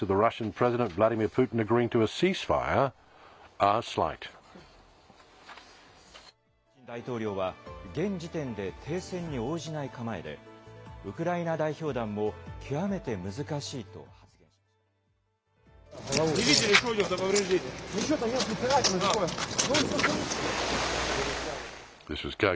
プーチン大統領は、現時点で停戦に応じない構えで、ウクライナ代表団も極めて難しいと発言しました。